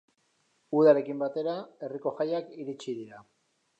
Udarekin batera, herriko jaiak iritsi dira.